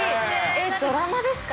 えっドラマですか？